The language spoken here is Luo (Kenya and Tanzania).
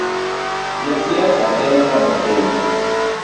Josiasa temo dong’o piny